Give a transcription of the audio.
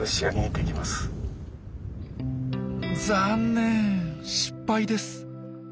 残念失敗です。